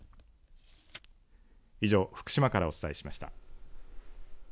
以上、福島からお伝えしました。